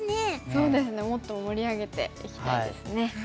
そうですねもっと盛り上げていきたいですね。